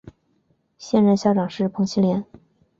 现任校长是彭绮莲。